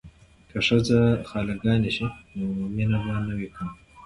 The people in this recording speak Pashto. که ښځې خاله ګانې شي نو مینه به نه وي کمه.